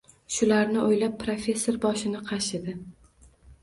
Shularni o`ylab, professor boshini qashidi